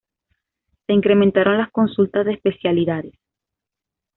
Se incrementaron las consultas de especialidades.